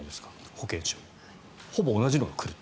保険証ほぼ同じものが来ると。